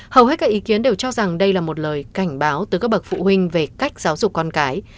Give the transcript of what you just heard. hầu hết các ý kiến đều cho rằng đây là một lời cảnh báo từ các bậc phụ huynh về cách giáo dục con cái